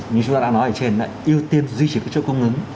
như chúng ta đã nói ở trên ưu tiên duy trì các chỗ công ứng